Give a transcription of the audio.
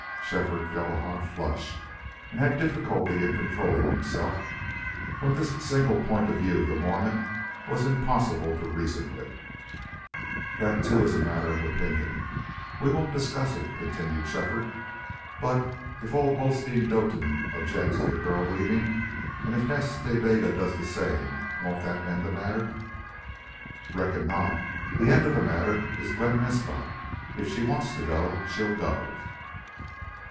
Shefford felt a hot flush and had difficulty in controlling himself. From this single point of view the Mormon was impossible to reason with. "That, too, is a matter of opinion. We won't discuss it," continued Shefford. "But if old Hosteen Doetin objects to the girl leaving, and if Nas Ta Bega does the same, won't that end the matter?" "Reckon not. The end of the matter is Glen Naspa. If she wants to go she'll go."